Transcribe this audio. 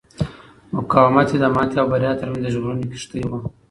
مقاومت مې د ماتې او بریا ترمنځ د ژغورنې کښتۍ وه.